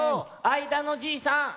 あいだのじいさん。